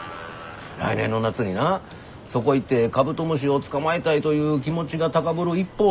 来年の夏になそこ行ってカブトムシを捕まえたいという気持ちが高ぶる一方で。